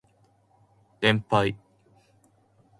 連敗